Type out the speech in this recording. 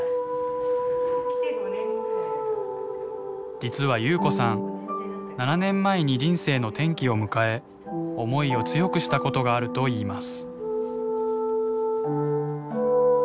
実は夕子さん７年前に人生の転機を迎え思いを強くしたことがあるといいます。